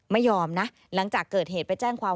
ไม่ยอมนะหลังจากเกิดเหตุไปแจ้งความ